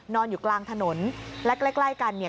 นอนอยู่กลางถนนและใกล้ใกล้กันเนี่ย